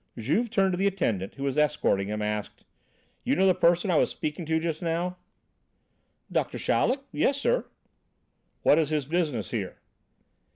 Juve, turning to the attendant who was escorting him, asked: "You know the person I was speaking to just now?" "Doctor Chaleck? Yes, sir." "What is his business here?"